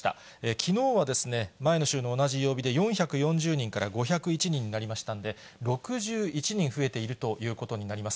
きのうは前の週の同じ曜日で４４０人から５０１人になりましたんで、６１人増えているということになります。